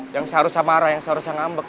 yang seharusnya marah yang seharusnya ngambek